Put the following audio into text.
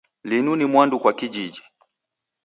Linu ni mwandu kwa kijiji